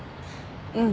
うん。